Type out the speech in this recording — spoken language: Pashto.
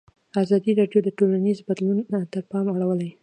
ازادي راډیو د ټولنیز بدلون ته پام اړولی.